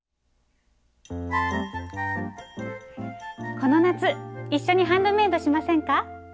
この夏一緒にハンドメイドしませんか？